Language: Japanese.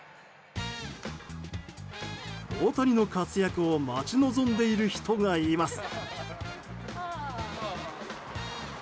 大谷の活躍を待ち望んでいる人がいます。